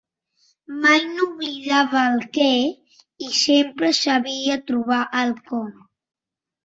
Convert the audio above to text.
Mai no oblidava el què i sempre sabia trobar el com.